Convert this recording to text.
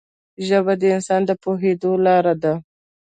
ژبه د انسان د پوهېدو لاره ده